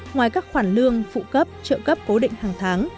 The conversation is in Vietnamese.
ngoài các khoản lương phụ cấp trợ cấp cố định hàng tháng